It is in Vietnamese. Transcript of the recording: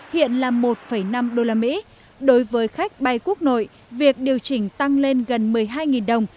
hiện là một năm usd đối với khách bay quốc nội việc điều chỉnh tăng lên gần một mươi hai đồng